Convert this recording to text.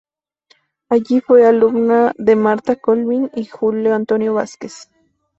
Allí fue alumna de Marta Colvin y Julio Antonio Vásquez.